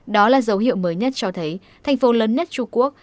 đó là dấu hiệu mới nhất cho thấy thành phố lớn nhất trung quốc